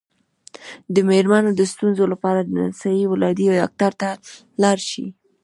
د میرمنو د ستونزو لپاره د نسایي ولادي ډاکټر ته لاړ شئ